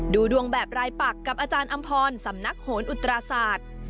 ดูดวงแบบรายปักกับอาจารย์อำพรสำนักโหนอุตราศาสตร์